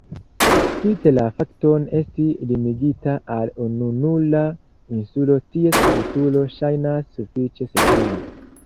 Spite la fakton esti limigita al ununura insulo, ties futuro ŝajnas sufiĉe sekura.